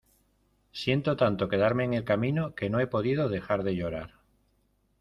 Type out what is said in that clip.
siento tanto quedarme en el camino, que no he podido dejar de llorar